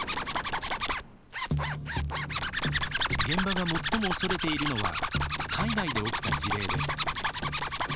現場が最も恐れているのは海外で起きた事例です。